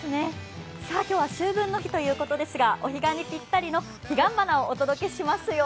今日は秋分の日ということですが、お彼岸にぴったりの彼岸花をお届けしますよ。